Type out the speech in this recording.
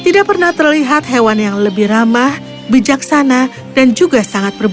tidak pernah terlihat hewan yang lebih ramah bijaksana dan juga sangat berbahaya